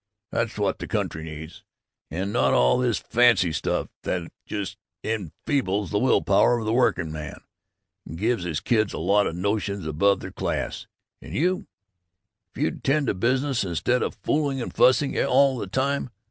That's what the country needs, and not all this fancy stuff that just enfeebles the will power of the working man and gives his kids a lot of notions above their class. And you if you'd tend to business instead of fooling and fussing All the time!